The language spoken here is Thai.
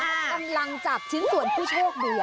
กำลังจับชิ้นส่วนผู้โชคดี